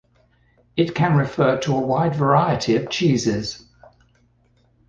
It can refer to a wide variety of cheeses.